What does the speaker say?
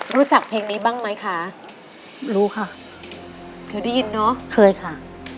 รู้จักเพลงนี้บ้างไหมคะรู้ค่ะเคยได้ยินเนอะเคยค่ะ